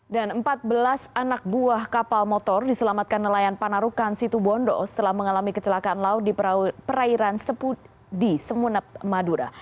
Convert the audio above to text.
dan empat belas anak buah kapal motor diselamatkan nelayan panarukan situ bondo setelah mengalami kecelakaan laut di perairan sepudi semunep madura